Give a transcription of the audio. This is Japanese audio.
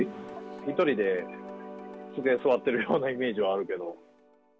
１人で机、座ってるようなイメージはあるけど。